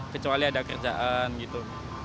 kecuali ada kerjaan gitu